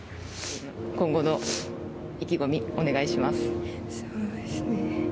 今後の意気込みお願いします。